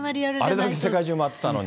あれだけ世界中回ってたのに？